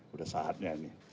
udah saatnya ini